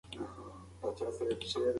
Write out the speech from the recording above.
د پوهنتون کلمه ډېره خوږه او اصلي ده.